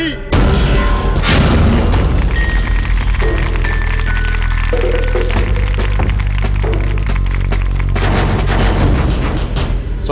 ่อนครับ